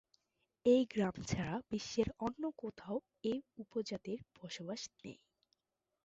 এ গ্রাম ছাড়া বিশ্বের অন্য কোথাও এ উপজাতির বসবাস নেই।